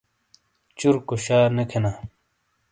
چُرکو شا نے کھینا۔